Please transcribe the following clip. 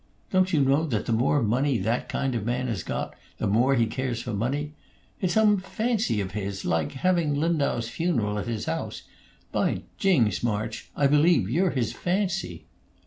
Don't you know that the more money that kind of man has got, the more he cares for money? It's some fancy of his like having Lindau's funeral at his house By Jings, March, I believe you're his fancy!"